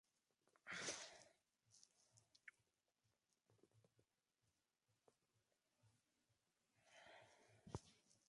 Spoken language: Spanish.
Las listas de la segunda vuelta podrían modificarse.